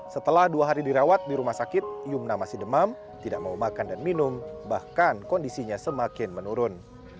setelah dua hari dirawat di rumah sakit yumna masih demam tidak mau makan dan minum bahkan kondisinya semakin menurun